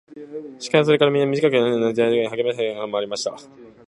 鹿はそれからみんな、みじかく笛のように鳴いてはねあがり、はげしくはげしくまわりました。